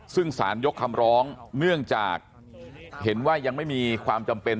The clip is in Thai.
ซึ่งสารยกคำร้องเนื่องจากเห็นว่ายังไม่มีความจำเป็น